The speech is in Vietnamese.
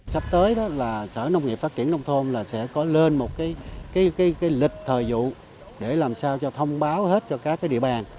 sắp tới là sở nông nghiệp phát triển đông thôn sẽ có lên một lịch thời dụ để làm sao cho thông báo hết cho các địa bàn